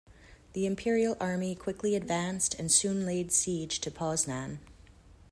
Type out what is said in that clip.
The Imperial army quickly advanced and soon laid siege to Poznan.